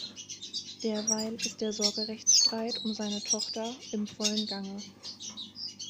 Derweil ist der Sorgerechtsstreit um seine Tochter im vollen Gange.